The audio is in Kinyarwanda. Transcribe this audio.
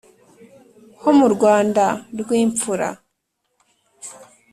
ho mu rwanda rw'imfura